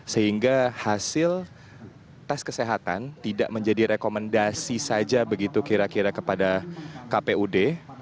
sehingga hasil tes kesehatan tidak menjadi rekomendasi saja begitu kira kira kepada kpud